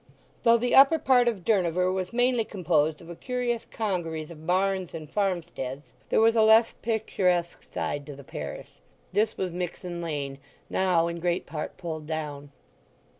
Though the upper part of Durnover was mainly composed of a curious congeries of barns and farm steads, there was a less picturesque side to the parish. This was Mixen Lane, now in great part pulled down.